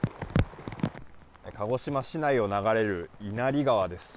鹿児島市内を流れる稲荷川です。